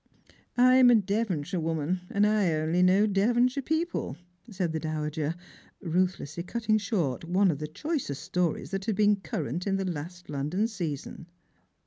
" I'm a Devonshire woman, and I only know Devonshire people," said the dowager, ruthlessly cutting short one of the choicest stories that had been current in the last London season.